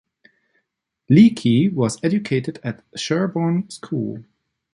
Leakey was educated at Sherborne School.